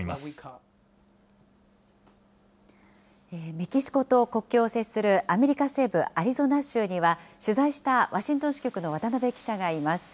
メキシコと国境を接するアメリカ西部アリゾナ州には、取材したワシントン支局の渡辺記者がいます。